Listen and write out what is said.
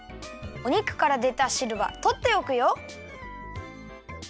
お肉からでたしるはとっておくよ。